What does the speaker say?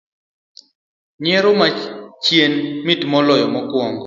Nyiero ma chien mit moloyo mokuongo